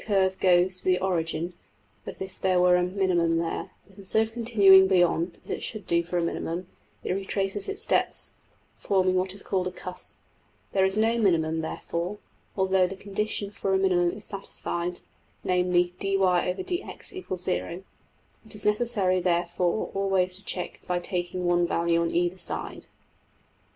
png}% curve goes to the origin, as if there were a minimum there; but instead of continuing beyond, as it should do for a minimum, it retraces its steps (forming what is called a ``cusp''). There is no minimum, therefore, although the condition for a minimum is satisfied, namely $\dfrac{dy}{dx} = 0$. It is necessary therefore always to check by taking one value on either side.